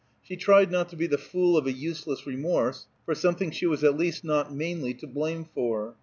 She tried not to be the fool of a useless remorse for something she was at least not mainly to blame for.